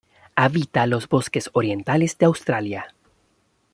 Habita los bosques orientales de Australia.